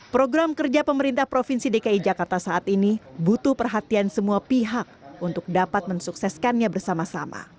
program kerja pemerintah provinsi dki jakarta saat ini butuh perhatian semua pihak untuk dapat mensukseskannya bersama sama